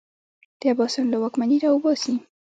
د عباسیانو له واکمني راوباسي